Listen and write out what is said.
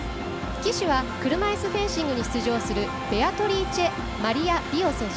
旗手は車いすフェンシングに出場するベアトリーチェマリア・ビオ選手。